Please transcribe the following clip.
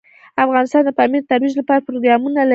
افغانستان د پامیر د ترویج لپاره پروګرامونه لري.